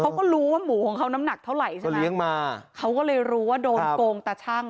เขาก็รู้ว่าหมูของเขาน้ำหนักเท่าไหร่ใช่ไหมเลี้ยงมาเขาก็เลยรู้ว่าโดนโกงตาชั่ง